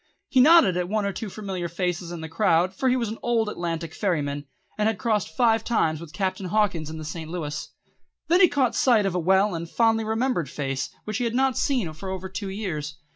He nodded to one or two familiar faces in the crowd, for he was an old Atlantic ferryman, and had crossed five times with Captain Hawkins in the St. Louis. Then he caught sight of a well and fondly remembered face which he had not seen for over two years.